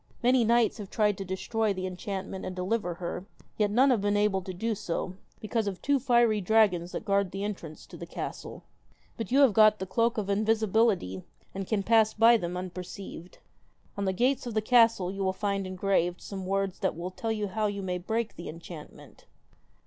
Many knights have tried to destroy the enchantment and deliver her, yet none have been able to do so, because of two fiery dragons that guard the entrance to the castle. But you have got the cloak of invisibility, and can pass them by unperceived. On the gates of the castle you will find engraved some words that will tell you how you may break the enchantment.'